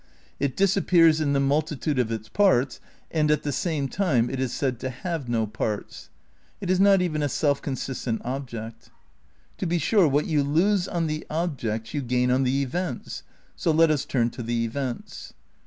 It disappears in the multitude of its parts and at the same time it is said to have no parts. It is not even a self consistent object. To be sure what you lose on the objects you gain on the events. So let us turn to the events.